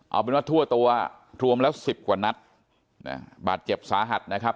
เอาเป็นว่าทั่วตัวรวมแล้วสิบกว่านัดบาดเจ็บสาหัสนะครับ